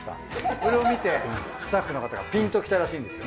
それを見てスタッフの方がピンときたらしいんですよ。